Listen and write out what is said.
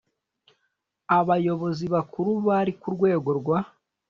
abayobozi bakuru bari ku rwego rwa